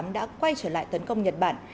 đã quay trở lại tấn công nhật bản